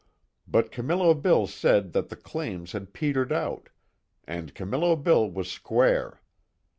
But Camillo Bill said that the claims had petered out and Camillo Bill was square.